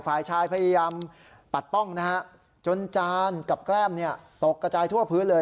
ฝ่ายชายพยายามปัดป้องนะฮะจนจานกับแก้มตกกระจายทั่วพื้นเลย